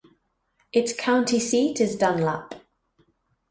Its county seat is Dunlap.